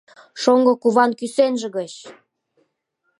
Шоҥго куван кӱсенже гыч!